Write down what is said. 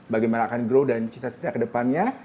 bagaimana akan grow dan cita cita kedepannya